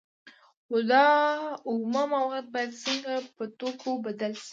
خو دا اومه مواد باید څنګه په توکو بدل شي